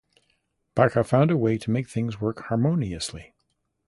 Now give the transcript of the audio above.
Baca found a way to make things work harmoniously.